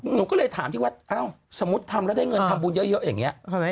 หนูก็เลยถามที่วัดสมมุติทำแล้วได้เงินทำบุญเยอะอย่างนี้